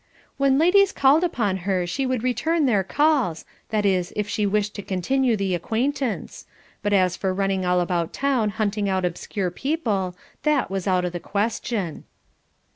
"When ladies called upon her, she would return their calls, that is, if she wished to continue the acquaintance; but as for running all about town hunting out obscure people, that was out of the question."